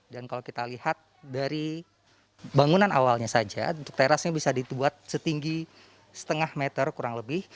dan kalau kita lihat dari bangunan awalnya saja untuk terasnya bisa dibuat setinggi setengah meter kurang lebih